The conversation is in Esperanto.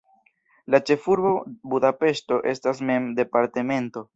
La ĉefurbo Budapeŝto estas mem departemento.